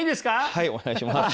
はいお願いします。